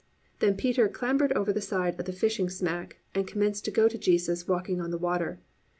Then Peter clambered over the side of the fishing smack and commenced to go to Jesus walking on the water.